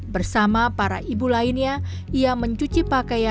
bersama para ibu lainnya ia mencuci pakaiannya setiap hari